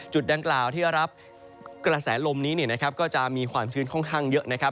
จุดด้านกล่าวที่จะรับกระแสลมนี้ก็จะมีความชื้นค่อนข้างเยอะ